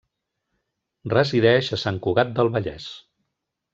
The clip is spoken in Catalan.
Resideix a Sant Cugat del Vallès.